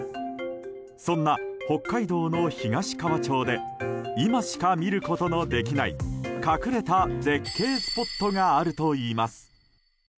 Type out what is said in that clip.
そんな北海道の東川町で今しか見ることのできない隠れた絶景スポットがあるといいます。